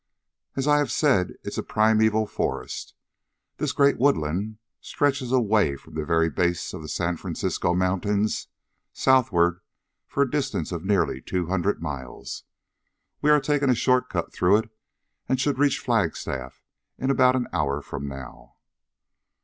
"As I have said, it is a primeval forest. This great woodland stretches away from the very base of the San Francisco mountains southward for a distance of nearly two hundred miles. We are taking a short cut through it and should reach Flagstaff in about an hour from now."